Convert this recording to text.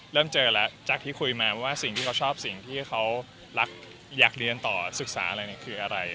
เริ่มเจอแล้วจากที่คุยมาว่าสิ่งที่เขาชอบสิ่งที่เขารักอยากเรียนต่อศึกษาอะไรเนี่ยคืออะไร